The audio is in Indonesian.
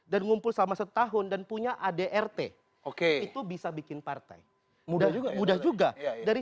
dan ngumpul selama setahun dan punya adrt oke itu bisa bikin partai mudah juga mudah juga dari